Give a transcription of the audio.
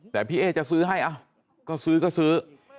แต่พี่เอ๊จะซื้อให้ก็ซื้อก็ซื้อ